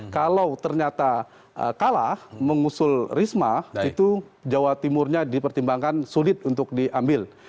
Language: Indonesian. kalau ternyata kalah mengusul risma itu jawa timurnya dipertimbangkan sulit untuk diambil